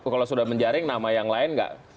kalau sudah menjaring nama yang lain nggak